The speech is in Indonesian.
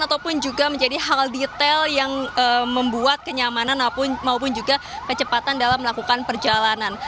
ataupun juga menjadi hal detail yang membuat kenyamanan maupun juga kecepatan dalam melakukan perjalanan